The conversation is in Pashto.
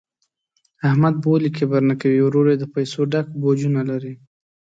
احمد به ولي کبر نه کوي، ورور یې د پیسو ډک بوجونه لري.